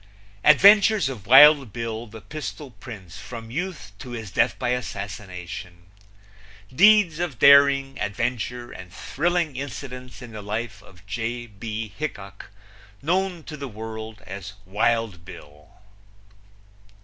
Adventures of Wild Bill, the Pistol Prince, from Youth to his Death by Assassination. Deeds of Daring, Adventure and Thrilling Incidents in the Life of J. B. Hickok, known to the World as Wild Bill.